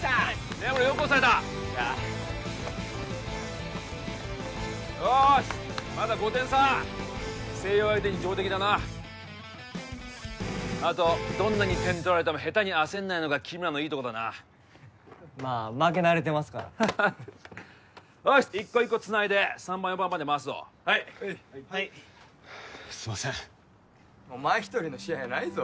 根室よく抑えた・よっしゃよしまだ５点差星葉相手に上出来だなあとどんなに点取られてもヘタに焦んないのが君らのいいとこだなまあ負け慣れてますからよし一個一個つないで３番４番まで回すぞ・はい・はいすんませんお前一人の試合やないぞ